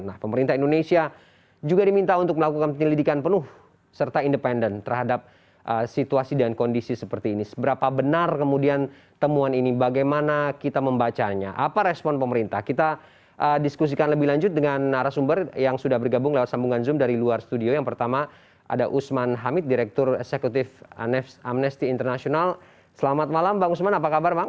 nah pemerintah indonesia juga diminta untuk melakukan penyelidikan penuh serta independen terhadap situasi dan kondisi seperti ini seberapa benar kemudian temuan ini bagaimana kita membacanya apa respon pemerintah kita diskusikan lebih lanjut dengan narasumber yang sudah bergabung lewat sambungan zoom dari luar studio yang pertama ada usman hamid direktur eksekutif amnesty international selamat malam bang usman apa kabar bang